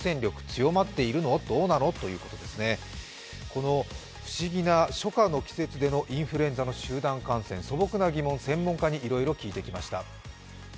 この不思議な、初夏の季節でのインフルエンザ集団感染、素朴な疑問を専門家にいろいろ聞いてきました。